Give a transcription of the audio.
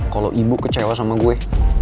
kalau ibu kecewa sama gue